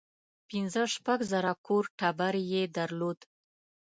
پنځه شپږ زره کور ټبر یې درلود.